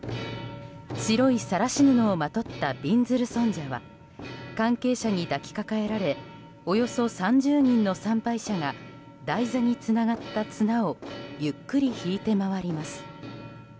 白いさらし布をまとったびんずる尊者は関係者に抱きかかえられおよそ３０人の参拝者が台座につながった綱をゆっくり引いて回ります。